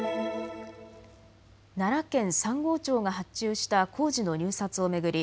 奈良県三郷町が発注した工事の入札を巡り